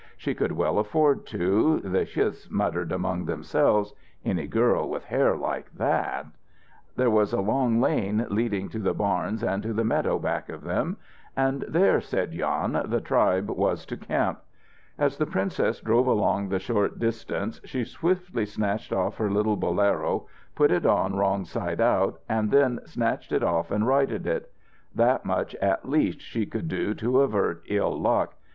She could well afford to, the chis muttered among themselves. Any girl with hair like that There was a long lane leading to the barns and to the meadow back of them, and there, said Jan, the tribe was to camp. As the princess drove along the short distance, she swiftly snatched off her little bolero, put it on wrong side out, and then snatched it off and righted it. That much, at least, she could do to avert ill luck.